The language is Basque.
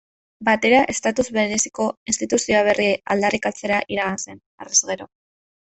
Batera estatus bereziko instituzio berria aldarrikatzera iragan zen, harrez gero.